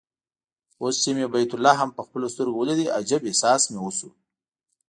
اوس چې مې بیت لحم په خپلو سترګو ولید عجيب احساس مې وشو.